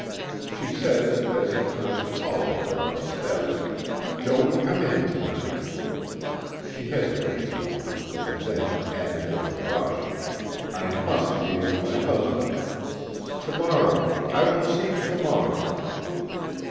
She says, as he turns to follow her up the steps: "Don't come in to night." She hesitates a moment, and then adds with a rush, "I must be with my husband. To morrow I will see you to morrow."